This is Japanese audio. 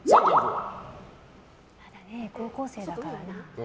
高校生だからな。